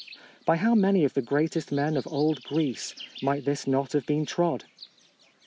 By how many of the greatest men of old Greece might this not have been trod?